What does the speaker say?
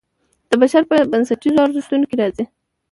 د بشر په بنسټیزو ارزښتونو کې راځي.